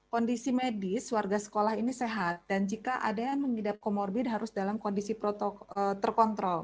kondisi medis warga sekolah ini sehat dan jika ada yang mengidap comorbid harus dalam kondisi terkontrol